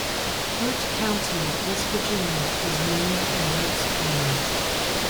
Wirt County, West Virginia, is named in Wirt's honor.